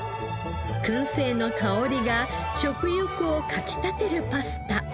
燻製の香りが食欲をかき立てるパスタ。